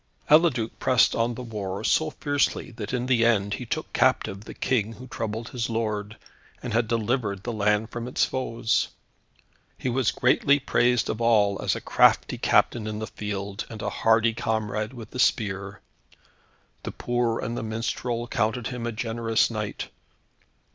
Eliduc pressed on the war so fiercely that in the end he took captive the King who troubled his lord, and had delivered the land from its foes. He was greatly praised of all as a crafty captain in the field, and a hardy comrade with the spear. The poor and the minstrel counted him a generous knight.